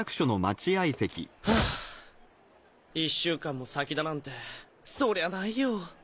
はぁ１週間も先だなんてそりゃないよ。